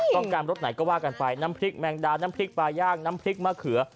ต้องการรสไหนก็ว่ากันไปน้ำพริกแมงดาน้ำพริกปลาย่างน้ำพริกมะเขือ